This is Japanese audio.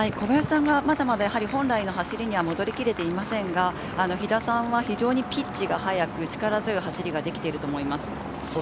小林さんがまだまだ本来の走りには戻りきれていませんから飛田さんは非常にピッチが速く、力強い走りができています。